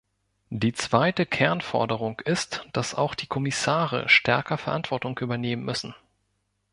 Die zweite Kernforderung ist, dass auch die Kommissare stärker Verantwortung übernehmen müssen.